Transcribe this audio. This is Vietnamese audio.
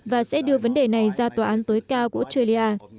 và sẽ đưa vấn đề này ra tòa án tối cao australia